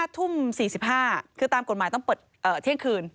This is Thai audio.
ทุ่ม๔๕คือตามกฎหมายต้องเปิดเที่ยงคืน